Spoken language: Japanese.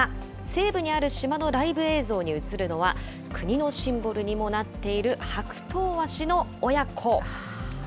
西部にある島のライブ映像に映るのは、国のシンボルにもなっているハクトウワシの親子。